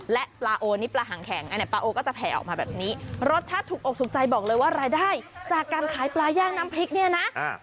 และปลาโอนี่ปลาหังแข็งอันไหนปลาโอก็จะแผ่ออกมาแบบนี้รสชาติถูกอกถูกใจบอกเลยว่ารายได้จากการขายปลาย่างน้ำพริกเนี่ยนะ